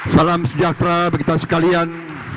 salam sejahtera bagi kita sekalian